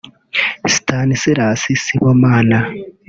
Stanislas Sibomana